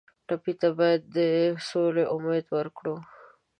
ټپي ته باید د سولې امید ورکړو.